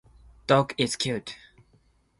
Dog is cute.